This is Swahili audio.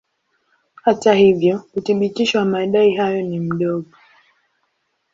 Hata hivyo uthibitisho wa madai hayo ni mdogo.